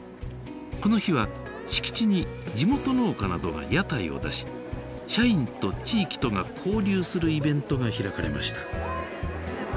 この日は敷地に地元農家などが屋台を出し社員と地域とが交流するイベントが開かれました。